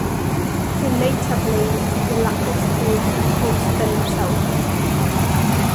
He later blamed the lack of schools in the postbellum South.